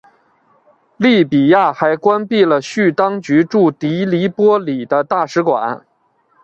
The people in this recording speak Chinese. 利比亚还关闭了叙当局驻的黎波里的大使馆。